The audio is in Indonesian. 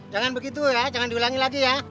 jangan begitu ya jangan diulangi lagi ya